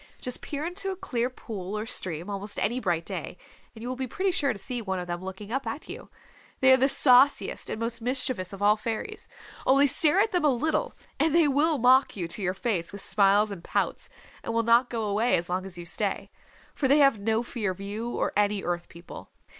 Just peer into a clear pool or stream, almost any bright day, and you will be pretty sure to see one of them looking up at you. They are the sauciest and most mischievous of all fairies. Only stare at them a little, and they will mock you to your face with smiles and pouts, and will not go away as long as you stay. For they have no fear of you or any Earth People.